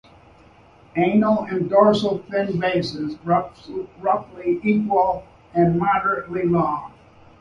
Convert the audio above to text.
Anal and dorsal fin bases roughly equal and moderately long.